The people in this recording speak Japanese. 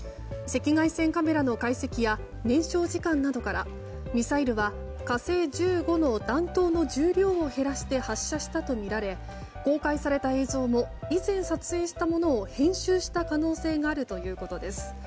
赤外線カメラの解析や燃焼時間などからミサイルは「火星１５」の弾頭の重量を減らして発射したとみられ公開された映像も以前撮影したものを編集した可能性があるということです。